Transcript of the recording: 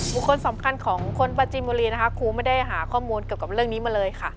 บุคคลสำคัญของคนประจินบุรีนะคะครูไม่ได้หาข้อมูลเกี่ยวกับเรื่องนี้มาเลยค่ะ